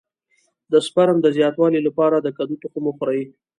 د سپرم د زیاتوالي لپاره د کدو تخم وخورئ